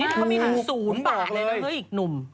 นี่เขามีศูนย์บาทเลยนะเฮ้ยอีกหนุ่ม